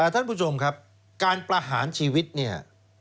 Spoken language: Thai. ท่านผู้ชมครับการประหารชีวิตเนี่ย